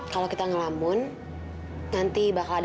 kalau kita gak berpikirin lagi